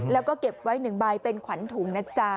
แล้วก็เก็บไว้๑ใบเป็นขวัญถุงนะจ๊ะ